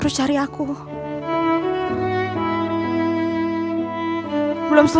buat apa mas